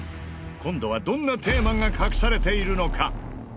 今度はどんなテーマが隠されているのか？